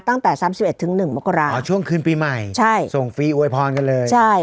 ตั้งแต่สามสิบเอ็ถึงหนึ่งมกราอ๋อช่วงคืนปีใหม่ใช่ส่งฟรีอวยพรกันเลยใช่